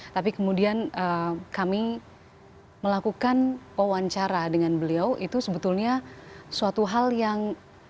tapi kemudian kami melakukan wawancara dengan beliau itu sebetulnya suatu hal yang